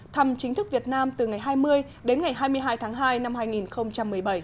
thăm chính thức việt nam từ ngày hai mươi đến ngày hai mươi hai tháng hai năm hai nghìn một mươi bảy